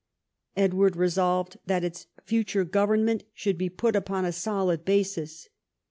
Edward re solved that its future government should be put upon a solid basis.